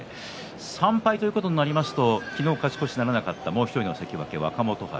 ３敗となりますと昨日勝ち越しならなかったもう１人の関脇若元春